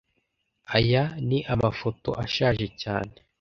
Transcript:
Aya ni amafoto ashaje cyane